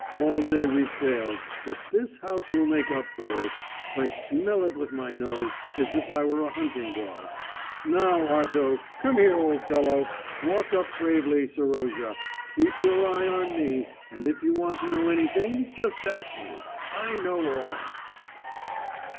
All day we've failed, but this house will make up for it. I smell it with my nose, as if I were a hunting dog. Now, Arto, come here, old fellow. Walk up bravely, Serozha. Keep your eye on me, and if you want to know anything just ask me. I know all."